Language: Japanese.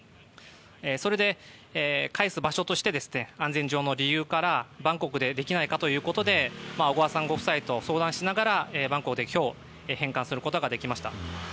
それで返す場所として安全上の理由からバンコクでできないかということで、小川さんご夫妻と相談しながらバンコクで今日返還することができました。